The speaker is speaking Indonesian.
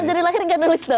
dari lahir gak nulis dong